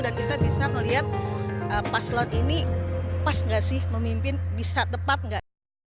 dan kita bisa melihat paslon ini pas nggak sih memimpin bisa tepat nggak